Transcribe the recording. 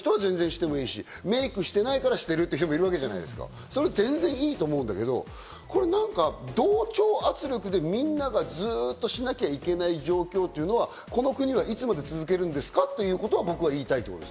メイクしてないからしてるって人もいるじゃないですか、全然いいと思うんだけど、同調圧力でみんながずっとしなきゃいけない状況っていうのは、この国はいつまで続けるんですか？ということを僕は言いたい。